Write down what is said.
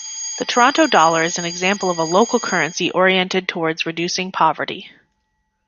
The Toronto Dollar is an example of a local currency oriented towards reducing poverty.